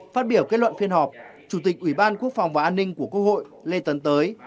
phát biểu kết luận phiên họp chủ tịch ủy ban quốc phòng và an ninh của quốc hội lê tấn tới